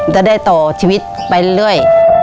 จะได้ต่อชีวิตไปเรื่อย